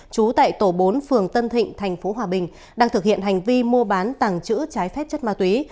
trú tại tổ bốn phường tân thịnh tp hòa bình đang thực hiện hành vi mua bán tàng trữ trái phép chất ma túy